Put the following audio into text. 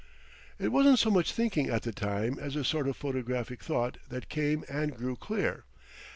It wasn't so much thinking at the time as a sort of photographic thought that came and grew clear.